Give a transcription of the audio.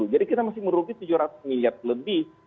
jadi kita masih merugis tujuh ratus miliar lebih